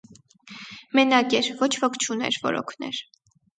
Մենակ էր, ոչ ոք չուներ, որ օգներ: